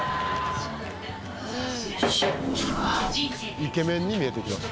イケメンに見えてきた。